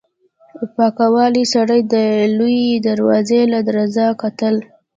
پکولي سړي د لويې دروازې له درزه کتل.